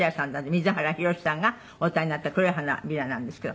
水原弘さんがお歌いになった『黒い花びら』なんですけど。